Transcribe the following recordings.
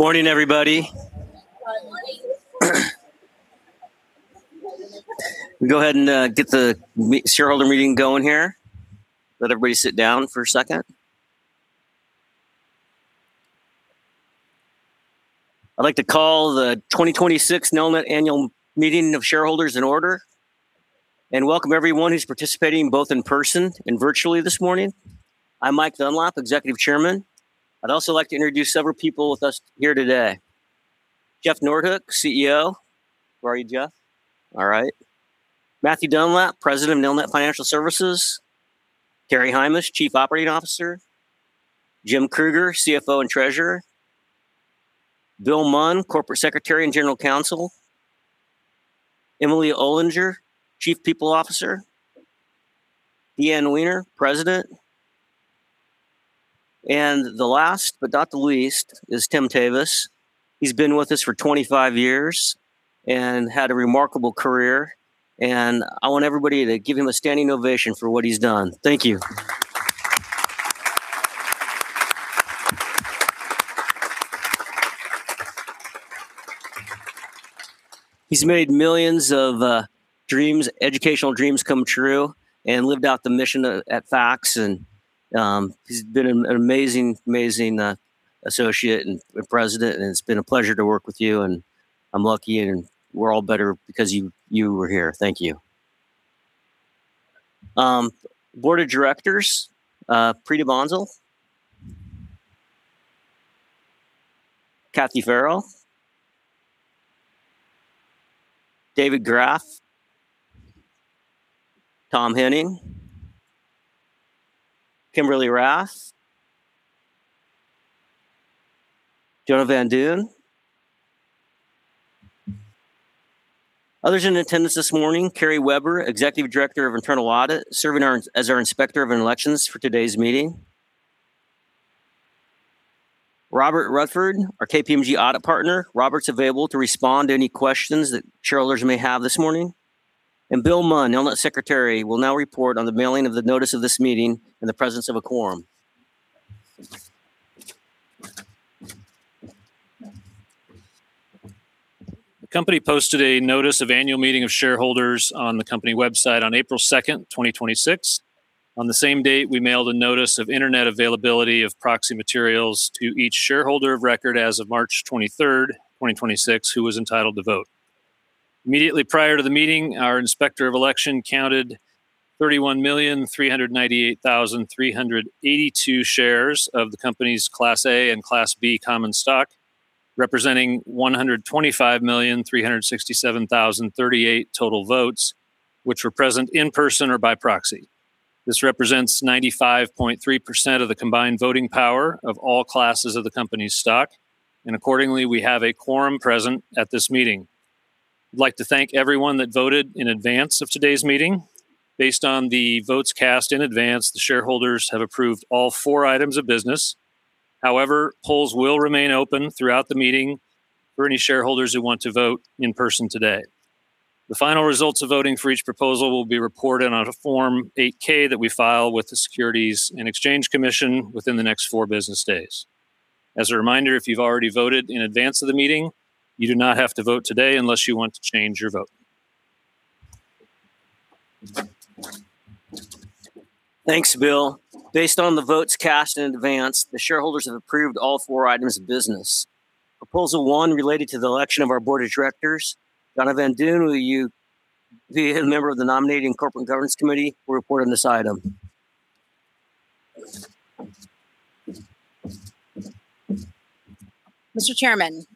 Morning, everybody. We go ahead, get the shareholder meeting going here. Let everybody sit down for a second. I'd like to call the 2026 Nelnet Annual Meeting of Shareholders in order. Welcome everyone who's participating both in person and virtually this morning. I'm Michael Dunlap, Executive Chairman. I'd also like to introduce several people with us here today. Jeff Noordhoek, CEO. Where are you, Jeff? All right. Matthew Dunlap, President of Nelnet Financial Services. Terry Heimes, Chief Operating Officer. Jim Kruger, CFO and Treasurer. Bill Munn, Corporate Secretary and General Counsel. Emily Olinger, Chief People Officer. DeeAnn Wenger, President. The last but not the least is Tim Tewes. He's been with us for 25 years and had a remarkable career, and I want everybody to give him a standing ovation for what he's done. Thank you. He's made millions of dreams, educational dreams come true and lived out the mission at FACTS and he's been an amazing associate and president, and it's been a pleasure to work with you, and I'm lucky, and we're all better because you were here. Thank you. Board of directors, Preeta Bansal. Kathleen Farrell. David Graff. Tom Henning. Kimberly Rath. Jona Van Deun. Others in attendance this morning, Carrie Weber, Executive Director of Internal Audit, serving as our inspector of elections for today's meeting. Robert Rutherford, our KPMG Audit Partner. Robert's available to respond to any questions that shareholders may have this morning. Bill Munn, Nelnet Secretary, will now report on the mailing of the notice of this meeting and the presence of a quorum. The company posted a notice of annual meeting of shareholders on the company website on April 2, 2026. On the same date, we mailed a notice of internet availability of proxy materials to each shareholder of record as of March 23, 2026, who was entitled to vote. Immediately prior to the meeting, our inspector of election counted 31,398,382 shares of the company's Class A and Class B common stock, representing 125,367,038 total votes, which were present in person or by proxy. This represents 95.3% of the combined voting power of all classes of the company's stock, and accordingly, we have a quorum present at this meeting. I'd like to thank everyone that voted in advance of today's meeting. Based on the votes cast in advance, the shareholders have approved all four items of business. Polls will remain open throughout the meeting for any shareholders who want to vote in person today. The final results of voting for each proposal will be reported on a Form 8-K that we file with the Securities and Exchange Commission within the next four business days. As a reminder, if you've already voted in advance of the meeting, you do not have to vote today unless you want to change your vote. Thanks, Bill. Based on the votes cast in advance, the shareholders have approved all four items of business. Proposal one related to the election of our board of directors. Jona Van Deun, will you be a member of the Nominating and Corporate Governance Committee will report on this item. Mr. Chairman,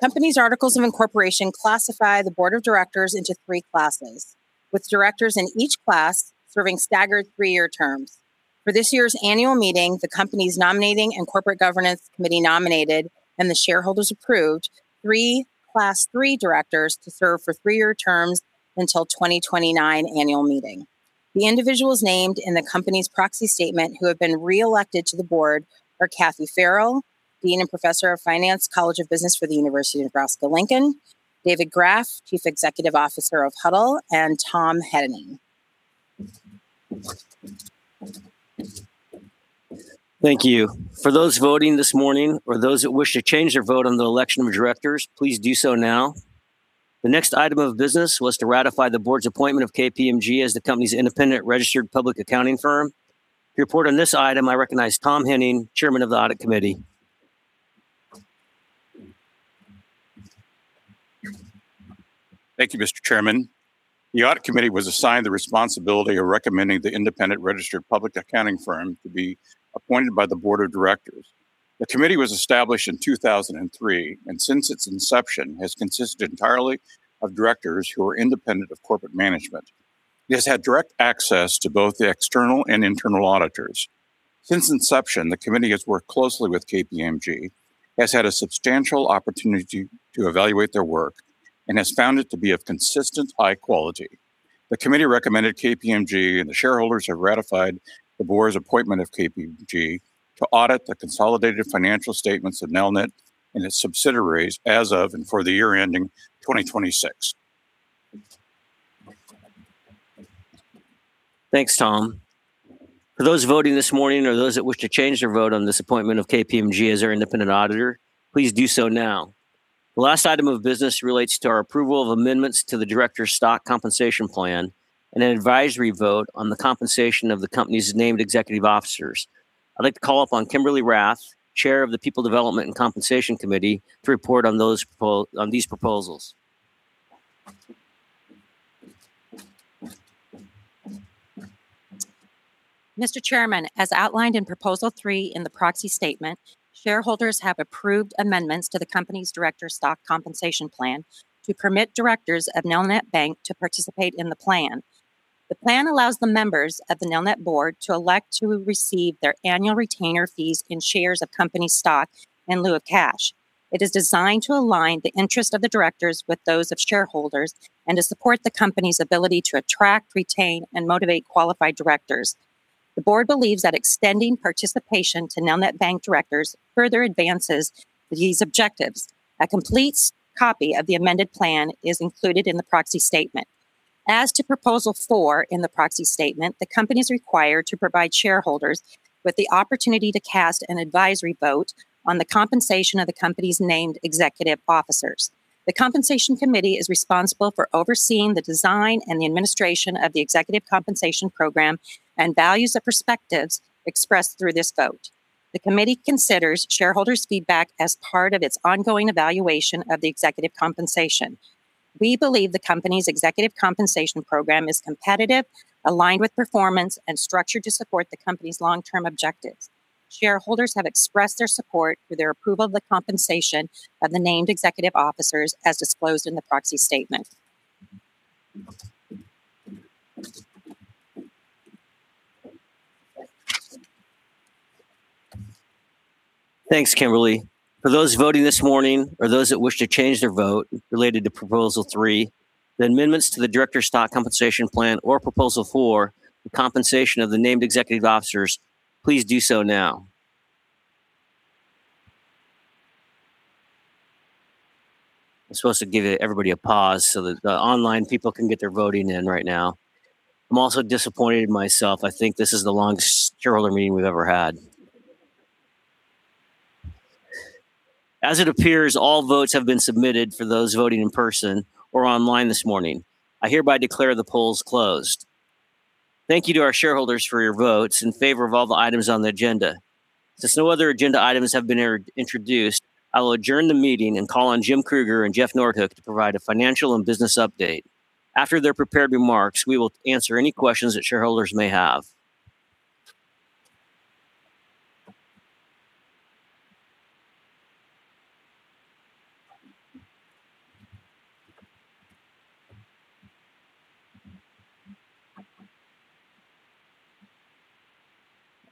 the company's articles of incorporation classify the board of directors into three classes, with directors in each class serving staggered three year terms. For this year's annual meeting, the company's Nominating and Corporate Governance Committee nominated and the shareholders approved three Class III directors to serve for three year terms until 2029 annual meeting. The individuals named in the company's proxy statement who have been reelected to the board are Kathy Farrell, Dean and Professor of finance, College of Business for the University of Nebraska–Lincoln; David Graff, Chief Executive Officer of Hudl; and Tom Henning. Thank you. For those voting this morning or those that wish to change their vote on the election of directors, please do so now. The next item of business was to ratify the board's appointment of KPMG as the company's independent registered public accounting firm. To report on this item, I recognize Tom Henning, Chairman of the Audit Committee. Thank you, Mr. Chairman. The audit committee was assigned the responsibility of recommending the independent registered public accounting firm to be appointed by the board of directors. The committee was established in 2003, and since its inception, has consisted entirely of directors who are independent of corporate management. It has had direct access to both the external and internal auditors. Since inception, the committee has worked closely with KPMG, has had a substantial opportunity to evaluate their work, and has found it to be of consistent high quality. The committee recommended KPMG, and the shareholders have ratified the board's appointment of KPMG to audit the consolidated financial statements of Nelnet and its subsidiaries as of and for the year ending 2026. Thanks, Tom. For those voting this morning or those that wish to change their vote on this appointment of KPMG as our independent auditor, please do so now. The last item of business relates to our approval of amendments to the director's stock compensation plan and an advisory vote on the compensation of the company's named executive officers. I'd like to call upon Kimberly Rath, Chair of the People Development and Compensation Committee, to report on these proposals. Mr. Chairman, as outlined in Proposal Three in the proxy statement, shareholders have approved amendments to the company's director stock compensation plan to permit directors of Nelnet Bank to participate in the plan. The plan allows the members of the Nelnet board to elect to receive their annual retainer fees in shares of company stock in lieu of cash. It is designed to align the interest of the directors with those of shareholders and to support the company's ability to attract, retain, and motivate qualified directors. The board believes that extending participation to Nelnet Bank directors further advances these objectives. A complete copy of the amended plan is included in the proxy statement. As to proposal four in the proxy statement, the company's required to provide shareholders with the opportunity to cast an advisory vote on the compensation of the company's named executive officers. The People Development and Compensation Committee is responsible for overseeing the design and the administration of the executive compensation program and values the perspectives expressed through this vote. The committee considers shareholders' feedback as part of its ongoing evaluation of the executive compensation. We believe the company's executive compensation program is competitive, aligned with performance, and structured to support the company's long-term objectives. Shareholders have expressed their support through their approval of the compensation of the named executive officers as disclosed in the proxy statement. Thanks, Kimberly. For those voting this morning or those that wish to change their vote related to proposal three, the amendments to the director stock compensation plan or proposal four, the compensation of the named executive officers, please do so now. I'm supposed to give everybody a pause so that the online people can get their voting in right now. I'm also disappointed in myself. I think this is the longest shareholder meeting we've ever had. It appears, all votes have been submitted for those voting in person or online this morning. I hereby declare the polls closed. Thank you to our shareholders for your votes in favor of all the items on the agenda. Since no other agenda items have been introduced, I will adjourn the meeting and call on Jim Kruger and Jeff Noordhoek to provide a financial and business update. After their prepared remarks, we will answer any questions that shareholders may have.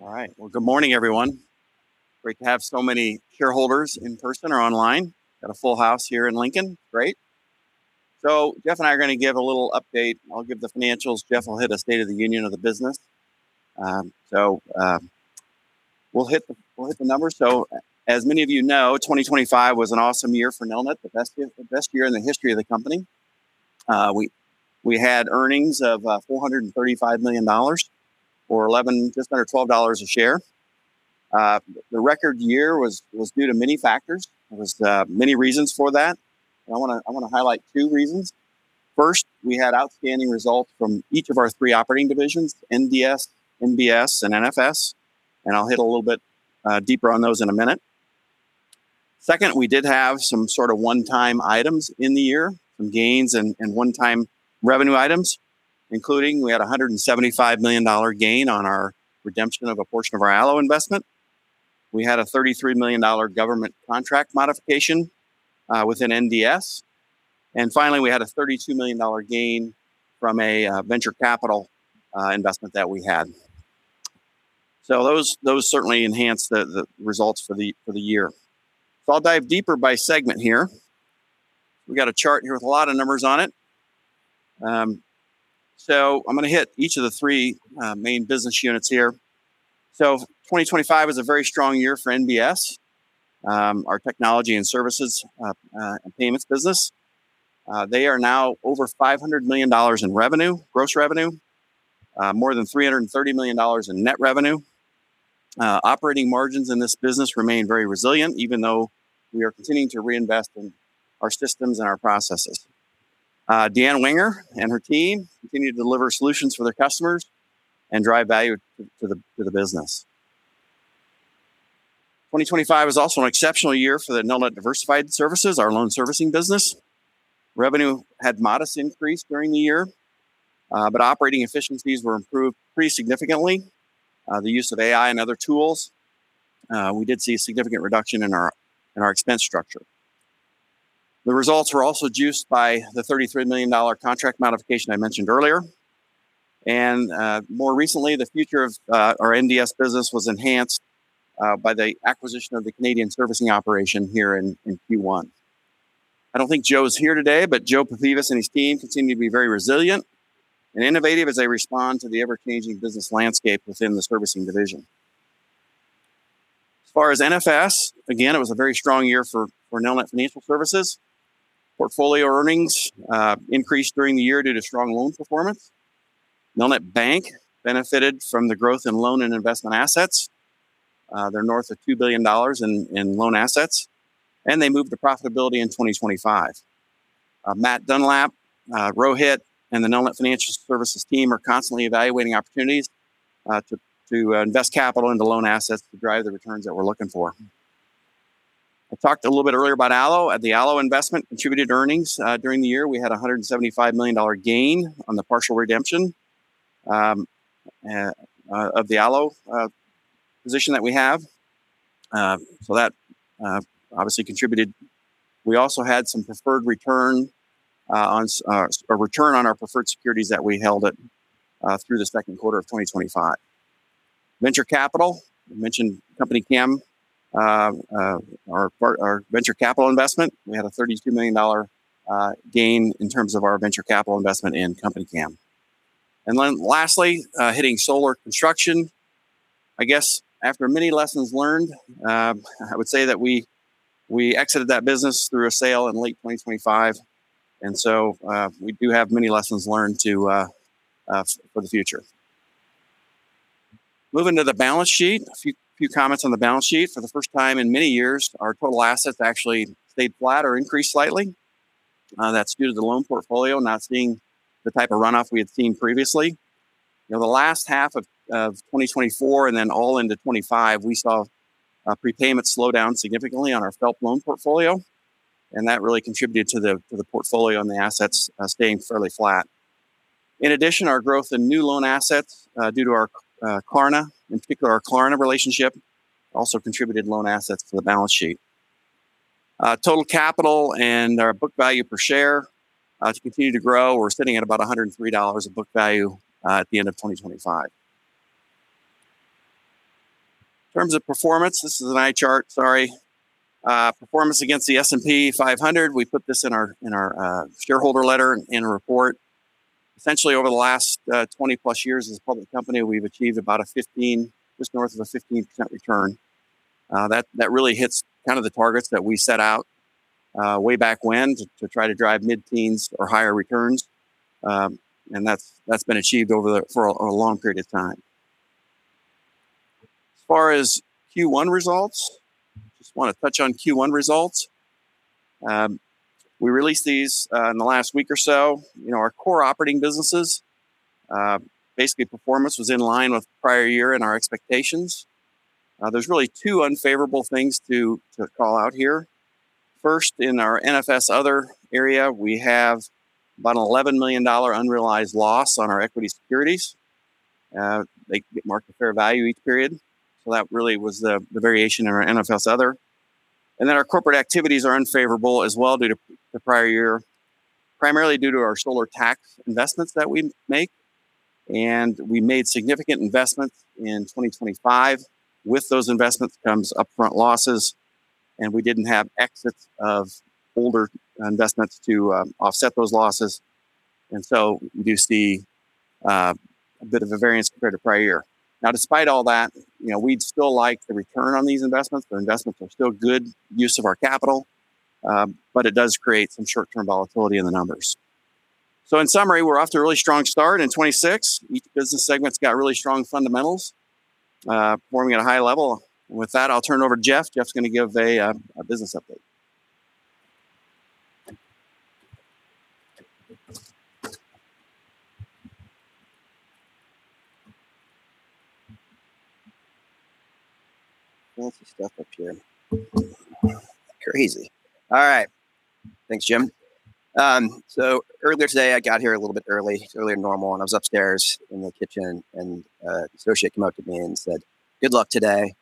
All right. Well, good morning, everyone. Great to have so many shareholders in person or online. Got a full house here in Lincoln. Great. Jeff and I are gonna give a little update. I'll give the financials. Jeff will hit a state of the union of the business. We'll hit the numbers. As many of you know, 2025 was an awesome year for Nelnet, the best year in the history of the company. We had earnings of $435 million or $11, just under $12 a share. The record year was due to many factors. There was many reasons for that. I wanna highlight two reasons. First, we had outstanding results from each of our three operating divisions, NDS, NBS, and NFS, and I'll hit a little bit deeper on those in a minute. Second, we did have some sort of one-time items in the year, some gains and one-time revenue items, including we had a $175 million gain on our redemption of a portion of our ALLO investment. We had a $33 million government contract modification within NDS. Finally, we had a $32 million gain from a venture capital investment that we had. Those certainly enhanced the results for the year. I'll dive deeper by segment here. We got a chart here with a lot of numbers on it. I'm gonna hit each of the three main business units here. 2025 was a very strong year for NBS, our technology and services and payments business. They are now over $500 million in revenue, gross revenue. More than $330 million in net revenue. Operating margins in this business remain very resilient, even though we are continuing to reinvest in our systems and our processes. DeeAnn Wenger and her team continue to deliver solutions for their customers and drive value to the business. 2025 was also an exceptional year for the Nelnet Diversified Services, our loan servicing business. Revenue had modest increase during the year, but operating efficiencies were improved pretty significantly. The use of AI and other tools, we did see a significant reduction in our expense structure. The results were also juiced by the $33 million contract modification I mentioned earlier. More recently, the future of our NDS business was enhanced by the acquisition of the Canadian servicing operation here in Q1. I don't think Joe is here today, but Joe Popevis and his team continue to be very resilient and innovative as they respond to the ever-changing business landscape within the servicing division. NFS, again, it was a very strong year for Nelnet Financial Services. Portfolio earnings increased during the year due to strong loan performance. Nelnet Bank benefited from the growth in loan and investment assets. They're north of $2 billion in loan assets, and they moved to profitability in 2025. Matthew Dunlap, Rohit, and the Nelnet Financial Services team are constantly evaluating opportunities to invest capital into loan assets to drive the returns that we're looking for. I talked a little bit earlier about ALLO. The ALLO investment contributed earnings during the year. We had a $175 million gain on the partial redemption of the ALLO position that we have. That obviously contributed. We also had some preferred return or return on our preferred securities that we held through the second quarter of 2025. Venture capital. I mentioned CompanyCam, our venture capital investment. We had a $32 million gain in terms of our venture capital investment in CompanyCam. Lastly, hitting solar construction. I guess after many lessons learned, I would say that we exited that business through a sale in late 2025. We do have many lessons learned for the future. Moving to the balance sheet. A few comments on the balance sheet. For the first time in many years, our total assets actually stayed flat or increased slightly. That's due to the loan portfolio not seeing the type of runoff we had seen previously. You know, the last half of 2024 and then all into 2025, we saw prepayments slow down significantly on our FFELP loan portfolio, and that really contributed to the portfolio and the assets staying fairly flat. In addition, our growth in new loan assets, due to our Klarna, in particular our Klarna relationship, also contributed loan assets to the balance sheet. Total capital and our book value per share, to continue to grow, we're sitting at about $103 of book value, at the end of 2025. In terms of performance, this is an eye chart, sorry. Performance against the S&P 500. We put this in our shareholder letter in a report. Essentially over the last 20+ years as a public company, we've achieved about a 15, just north of a 15% return. That really hits kind of the targets that we set out way back when to try to drive mid-teens or higher returns. That's been achieved for a long period of time. As far as Q1 results, just want to touch on Q1 results. We released these in the last week or so. You know, our core operating businesses, basically performance was in line with prior year and our expectations. There's really two unfavorable things to call out here. First, in our NFS other area, we have about an $11 million unrealized loss on our equity securities. They get marked to fair value each period, so that really was the variation in our NFS other. Our corporate activities are unfavorable as well due to the prior year, primarily due to our solar tax investments that we make. We made significant investments in 2025. With those investments comes upfront losses, and we didn't have exits of older investments to offset those losses. You do see a bit of a variance compared to prior year. Despite all that, you know, we'd still like the return on these investments. The investments are still good use of our capital, but it does create some short-term volatility in the numbers. In summary, we're off to a really strong start in 2026. Each business segment's got really strong fundamentals, performing at a high level. With that, I'll turn it over to Jeff. Jeff's going to give a business update. Lots of stuff up here. Crazy. All right. Thanks, Jim. Earlier today, I got here a little bit early, earlier than normal, and I was upstairs in the kitchen and an associate came up to me and said, "Good luck today."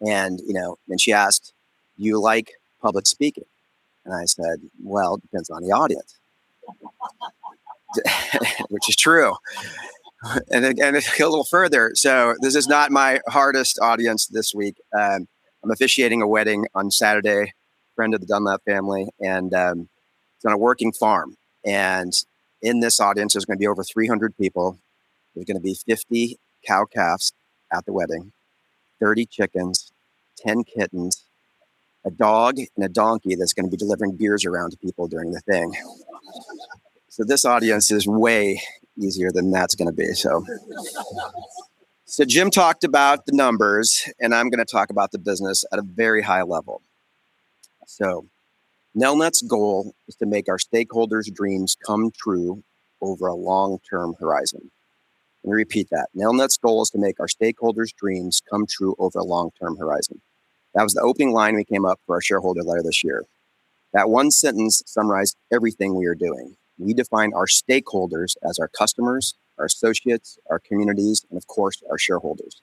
You know, she asked, "Do you like public speaking?" I said, "Well, it depends on the audience." Which is true. To go a little further, this is not my hardest audience this week. I'm officiating a wedding on Saturday, friend of the Dunlap family, and it's on a working farm. In this audience, there's going to be over 300 people. There's going to be 50 cow calves at the wedding, 30 chickens, 10 kittens, a dog, and a donkey that's going to be delivering beers around to people during the thing. This audience is way easier than that's going to be. Jim talked about the numbers, and I'm going to talk about the business at a very high level. Nelnet's goal is to make our stakeholders' dreams come true over a long-term horizon. Let me repeat that. Nelnet's goal is to make our stakeholders' dreams come true over a long-term horizon. That was the opening line we came up for our shareholder letter this year. That one sentence summarized everything we are doing. We define our stakeholders as our customers, our associates, our communities, and of course, our shareholders.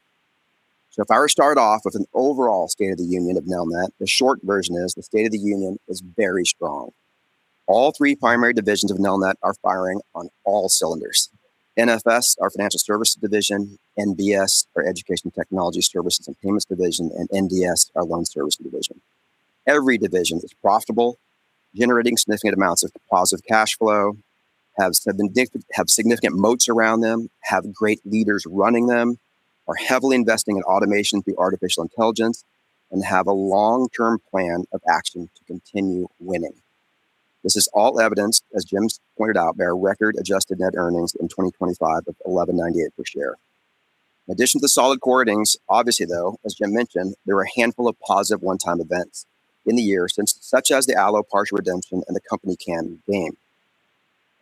If I were to start off with an overall State of the Union of Nelnet, the short version is the State of the Union is very strong. All three primary divisions of Nelnet are firing on all cylinders. NFS, our financial services division; NBS, our education technology services and payments division; and NDS, our loan servicing division. Every division is profitable, generating significant amounts of positive cash flow, have significant moats around them, have great leaders running them, are heavily investing in automation through artificial intelligence, and have a long-term plan of action to continue winning. This is all evidenced, as Jim's pointed out, by our record-adjusted net earnings in 2025 of $11.98 per share. In addition to solid core earnings, obviously though, as Jim mentioned, there were a handful of positive one-time events in the year since, such as the ALLO partial redemption and the CompanyCam gain.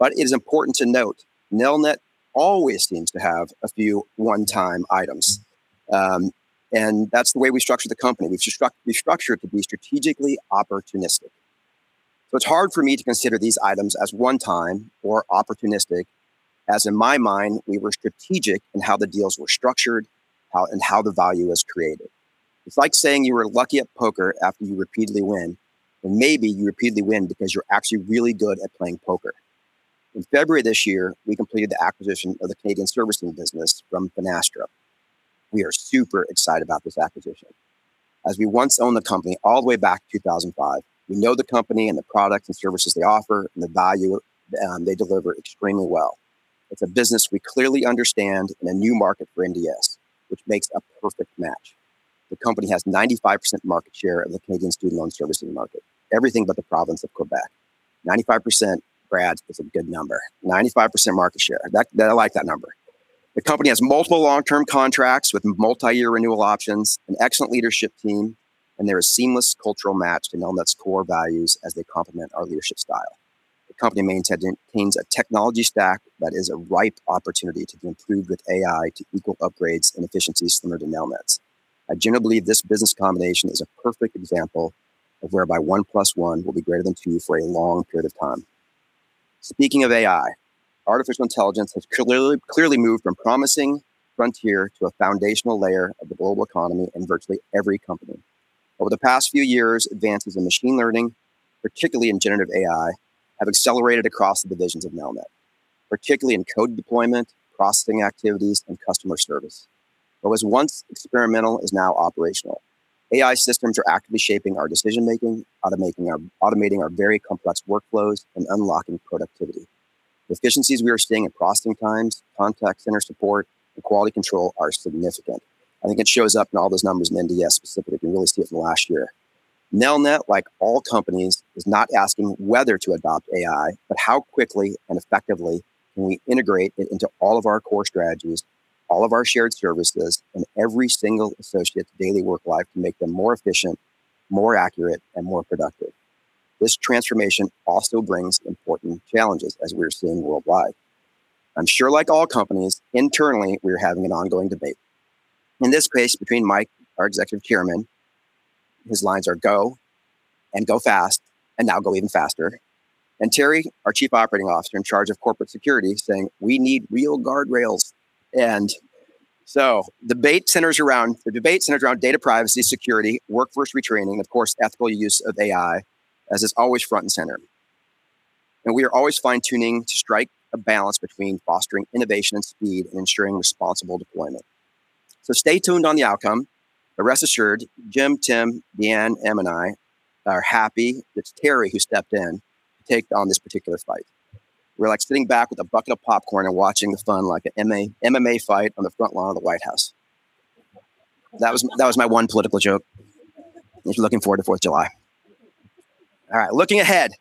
It is important to note, Nelnet always seems to have a few one-time items. That's the way we structure the company. We structure it to be strategically opportunistic. It's hard for me to consider these items as one-time or opportunistic, as in my mind, we were strategic in how the deals were structured, how the value was created. It's like saying you were lucky at poker after you repeatedly win. Well, maybe you repeatedly win because you're actually really good at playing poker. In February this year, we completed the acquisition of the Canadian servicing business from Finastra. We are super excited about this acquisition. As we once owned the company all the way back to 2005, we know the company and the products and services they offer and the value they deliver extremely well. It's a business we clearly understand and a new market for NDS, which makes a perfect match. The company has 95% market share of the Canadian student loan servicing market, everything but the province of Quebec. 95%, Brad, is a good number. 95% market share, I like that number. The company has multiple long-term contracts with multi-year renewal options, an excellent leadership team, and they're a seamless cultural match to Nelnet's core values as they complement our leadership style. The company maintains a technology stack that is a ripe opportunity to be improved with AI to equal upgrades and efficiencies similar to Nelnet's. I generally believe this business combination is a perfect example of whereby 1 plus 1 will be greater than two for a long period of time. Speaking of AI, artificial intelligence has clearly moved from promising frontier to a foundational layer of the global economy in virtually every company. Over the past few years, advances in machine learning, particularly in generative AI, have accelerated across the divisions of Nelnet, particularly in code deployment, processing activities, and customer service. What was once experimental is now operational. AI systems are actively shaping our decision-making, automating our very complex workflows and unlocking productivity. The efficiencies we are seeing in processing times, contact center support, and quality control are significant. I think it shows up in all those numbers in NDS specifically. You can really see it from the last year. Nelnet, like all companies, is not asking whether to adopt AI, but how quickly and effectively can we integrate it into all of our core strategies, all of our shared services, and every single associate's daily work life to make them more efficient, more accurate, and more productive. This transformation also brings important challenges, as we are seeing worldwide. I'm sure like all companies, internally, we are having an ongoing debate. In this case, between Mike, our Executive Chairman, his lines are go and go fast, and now go even faster. Terry, our Chief Operating Officer in charge of corporate security, saying, "We need real guardrails." The debate centers around data privacy, security, workforce retraining, of course, ethical use of AI, as is always front and center. We are always fine-tuning to strike a balance between fostering innovation and speed and ensuring responsible deployment. Stay tuned on the outcome, but rest assured, Jim, Tim, DeeAnn, M, and I are happy with Terry who stepped in to take on this particular fight. We're like sitting back with a bucket of popcorn and watching the fun like a MMA fight on the front lawn of the White House. That was my one political joke. Looking forward to Fourth July. All right. Looking ahead,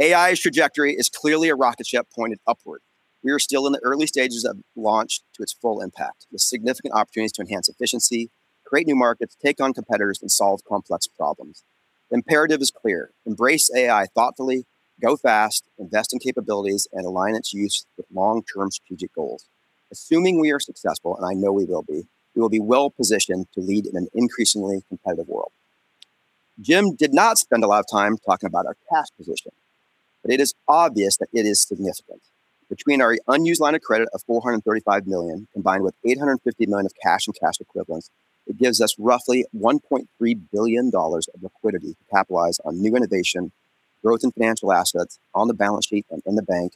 AI's trajectory is clearly a rocket ship pointed upward. We are still in the early stages of launch to its full impact, with significant opportunities to enhance efficiency, create new markets, take on competitors, and solve complex problems. The imperative is clear. Embrace AI thoughtfully, go fast, invest in capabilities, and align its use with long-term strategic goals. Assuming we are successful, and I know we will be, we will be well-positioned to lead in an increasingly competitive world. Jim did not spend a lot of time talking about our cash position, but it is obvious that it is significant. Between our unused line of credit of $435 million, combined with $850 million of cash and cash equivalents, it gives us roughly $1.3 billion of liquidity to capitalize on new innovation, growth in financial assets on the balance sheet and in the bank,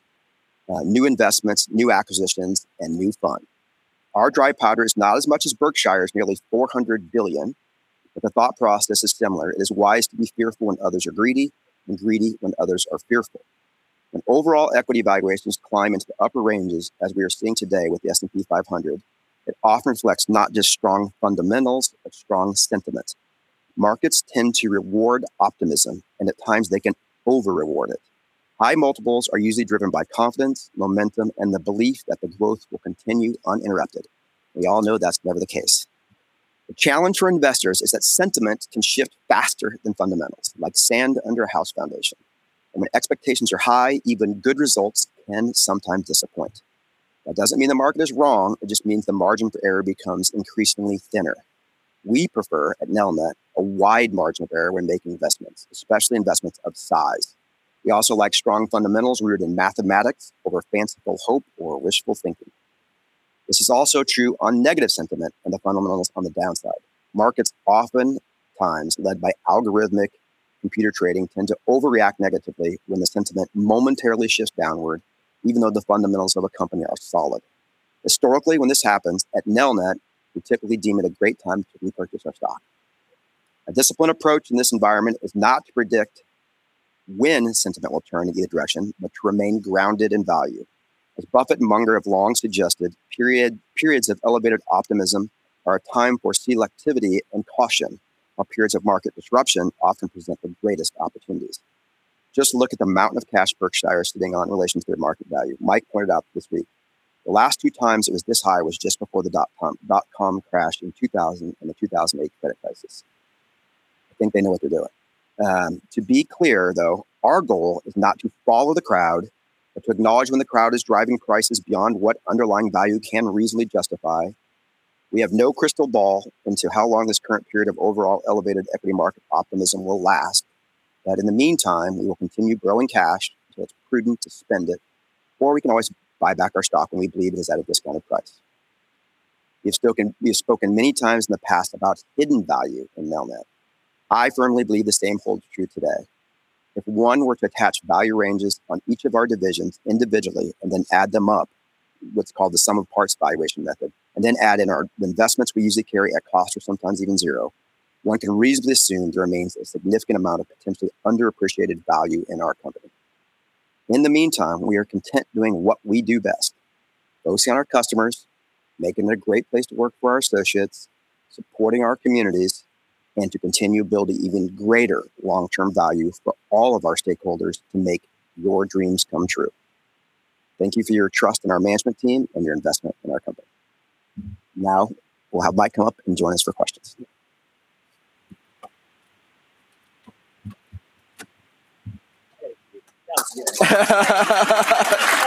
new investments, new acquisitions, and new fun. Our dry powder is not as much as Berkshire's nearly $400 billion, the thought process is similar. It is wise to be fearful when others are greedy and greedy when others are fearful. When overall equity valuations climb into the upper ranges, as we are seeing today with the S&P 500, it often reflects not just strong fundamentals, but strong sentiment. Markets tend to reward optimism, at times they can over-reward it. High multiples are usually driven by confidence, momentum, and the belief that the growth will continue uninterrupted. We all know that's never the case. The challenge for investors is that sentiment can shift faster than fundamentals, like sand under a house foundation. When expectations are high, even good results can sometimes disappoint. That doesn't mean the market is wrong. It just means the margin for error becomes increasingly thinner. We prefer at Nelnet a wide margin of error when making investments, especially investments of size. We also like strong fundamentals rooted in mathematics over fanciful hope or wishful thinking. This is also true on negative sentiment and the fundamentals on the downside. Markets oftentimes led by algorithmic computer trading tend to overreact negatively when the sentiment momentarily shifts downward, even though the fundamentals of a company are solid. Historically, when this happens at Nelnet, we typically deem it a great time to repurchase our stock. A disciplined approach in this environment is not to predict when sentiment will turn a good direction, but to remain grounded in value. As Buffett and Munger have long suggested, periods of elevated optimism are a time for selectivity and caution, while periods of market disruption often present the greatest opportunities. Just look at the mountain of cash Berkshire is sitting on in relation to their market value. Mike pointed out this week the last two times it was this high was just before the dot-com crash in 2000 and the 2008 credit crisis. I think they know what they're doing. To be clear though, our goal is not to follow the crowd, but to acknowledge when the crowd is driving prices beyond what underlying value can reasonably justify. We have no crystal ball into how long this current period of overall elevated equity market optimism will last. In the meantime, we will continue growing cash until it's prudent to spend it, or we can always buy back our stock when we believe it is at a discounted price. We have spoken many times in the past about hidden value in Nelnet. I firmly believe the same holds true today. If one were to attach value ranges on each of our divisions individually and then add them up, what's called the sum-of-the-parts valuation method, and then add in our investments we usually carry at cost or sometimes even zero, one can reasonably assume there remains a significant amount of potentially underappreciated value in our company. In the meantime, we are content doing what we do best: focusing on our customers, making it a great place to work for our associates, supporting our communities, and to continue building even greater long-term value for all of our stakeholders to make your dreams come true. Thank you for your trust in our management team and your investment in our company. Now, we'll have Mike come up and join us for questions.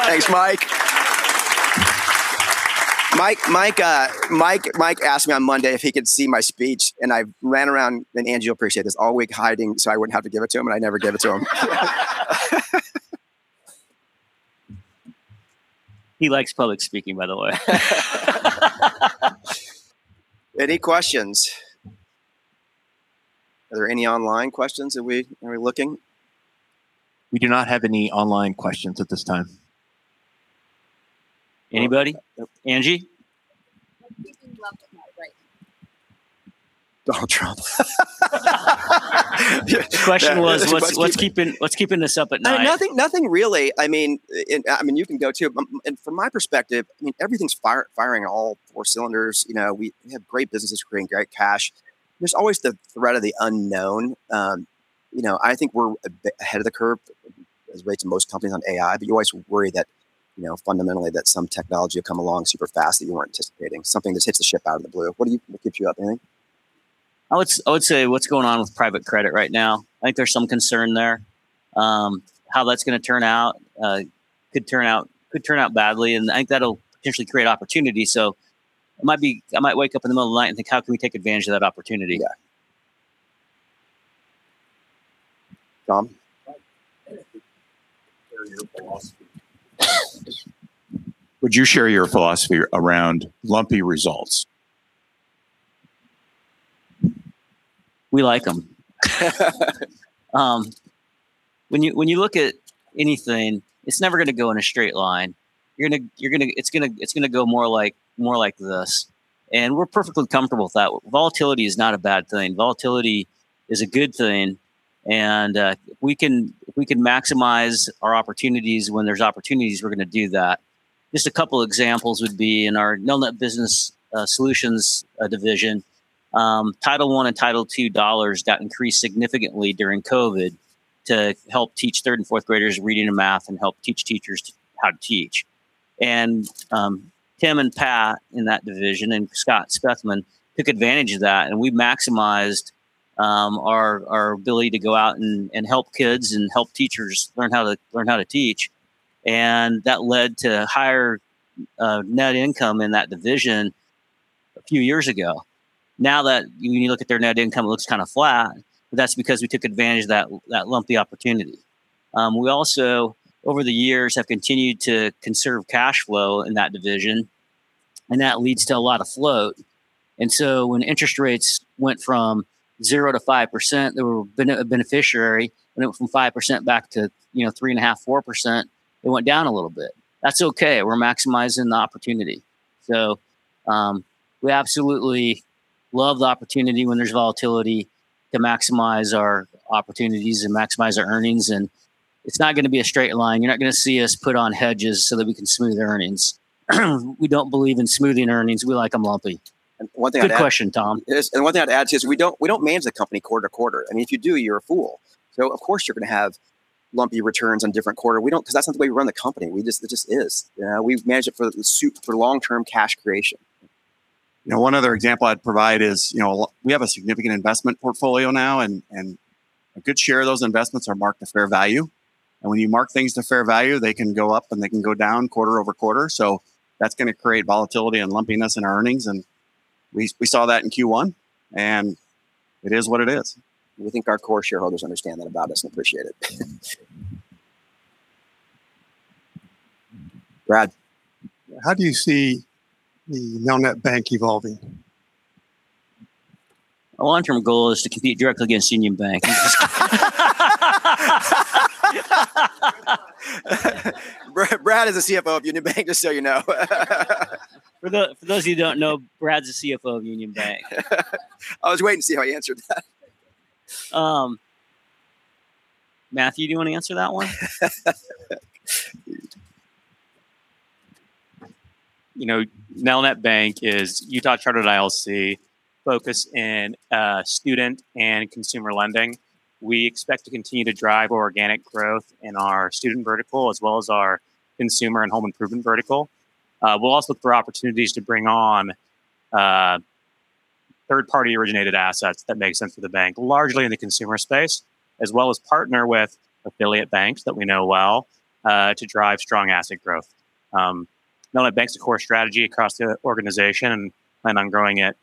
Thanks, Mike. Mike asked me on Monday if he could see my speech, and I ran around, and Angie will appreciate this, all week hiding so I wouldn't have to give it to him, and I never gave it to him. He likes public speaking, by the way. Any questions? Are there any online questions that we're looking? We do not have any online questions at this time. Anybody? Angie? What keeps you up at night, Blake? Donald Trump. The question was, what's keeping us up at night? No, nothing really. I mean, you can go too. From my perspective, I mean, everything's firing on all four cylinders. You know, we have great businesses creating great cash. There's always the threat of the unknown. You know, I think we're a bit ahead of the curve as relates to most companies on AI. You always worry that, you know, fundamentally that some technology will come along super fast that you weren't anticipating. Something just hits the shit out of the blue. What keeps you up, anything? I would say what's going on with private credit right now. I think there's some concern there. How that's gonna turn out. Could turn out badly, and I think that'll potentially create opportunity. I might wake up in the middle of the night and think, "How can we take advantage of that opportunity? Yeah. Tom? Would you share your philosophy around lumpy results? We like them. When you, when you look at anything, it's never going to go in a straight line. It's going to go more like this. We're perfectly comfortable with that. Volatility is not a bad thing. Volatility is a good thing, we can maximize our opportunities. When there's opportunities, we're going to do that. Just a couple examples would be in our Nelnet Business Services Division, Title I and Title II dollars got increased significantly during COVID to help teach third and fourth graders reading and math and help teach teachers how to teach. Tim and Pat in that division, Scott Strathman, took advantage of that, and we maximized our ability to go out and help kids and help teachers learn how to teach, and that led to higher net income in that division a few years ago. You look at their net income, it looks kind of flat. That's because we took advantage of that lumpy opportunity. We also over the years have continued to conserve cash flow in that division, and that leads to a lot of flow. When interest rates went from 0% to 5%, they were a beneficiary. When it went from 5% back to, you know, 3.5%, 4%, it went down a little bit. That's okay. We're maximizing the opportunity. We absolutely love the opportunity when there's volatility to maximize our opportunities and maximize our earnings. It's not gonna be a straight line. You're not gonna see us put on hedges so that we can smooth earnings. We don't believe in smoothing earnings. We like them lumpy. One thing to add. Good question, Tom. Yes. One thing I'd add to it is we don't manage the company quarter to quarter. I mean, if you do, you're a fool. Of course you're gonna have lumpy returns on different quarter. We don't, 'cause that's not the way we run the company. We just, it just is. You know, we manage it for long-term cash creation. You know, one other example I'd provide is, you know, We have a significant investment portfolio now, and a good share of those investments are marked to fair value. When you mark things to fair value, they can go up and they can go down quarter-over-quarter. That's gonna create volatility and lumpiness in earnings, and we saw that in Q1, and it is what it is. We think our core shareholders understand that about us and appreciate it. Brad? How do you see the Nelnet Bank evolving? Our long-term goal is to compete directly against Union Bank. Brad is the CFO of Union Bank, just so you know. For those of you who don't know, Brad's the CFO of Union Bank. I was waiting to see how he answered that. Matthew, do you want to answer that one? You know, Nelnet Bank is Utah Chartered ILC focused in student and consumer lending. We expect to continue to drive organic growth in our student vertical as well as our consumer and home improvement vertical. We'll also look for opportunities to bring on third-party originated assets that make sense for the bank, largely in the consumer space, as well as partner with affiliate banks that we know well to drive strong asset growth. Nelnet Bank's a core strategy across the organization and plan on growing it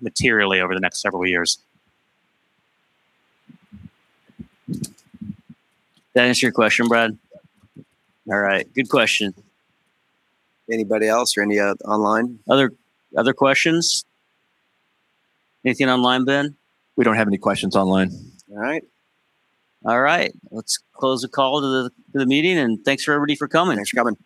materially over the next several years. That answer your question, Brad? All right. Good question. Anybody else or any online? Other questions? Anything online, Ben? We don't have any questions online. All right. All right. Let's close the call to the meeting. Thanks for everybody for coming. Thanks for coming.